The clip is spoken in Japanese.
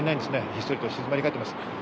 ひっそりと静まり返っています。